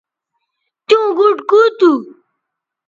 تیوں گوٹ کُو تھو